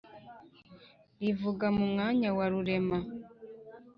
Rivuga mu mwanya wa Rurema